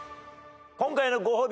今回のご褒美